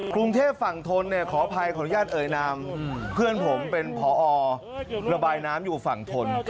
กรุงเทพฝั่งทนเนี่ยขออภัยขออนุญาตเอ่ยนามเพื่อนผมเป็นพอระบายน้ำอยู่ฝั่งทน